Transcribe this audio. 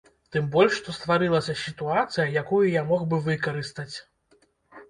Тым больш што стварылася сітуацыя, якую я мог бы выкарыстаць.